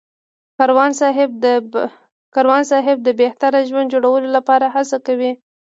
کاروان صاحب د بهتره ژوند جوړولو لپاره هڅه کوي.